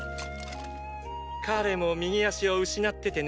彼も右足を失っててね